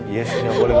jassi gak boleh